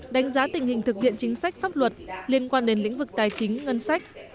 đánh giá tình hình thực hiện chính sách pháp luật liên quan đến lĩnh vực tài chính ngân sách